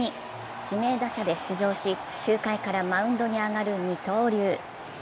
指名打者で出場し９回からマウンドに上がる二刀流。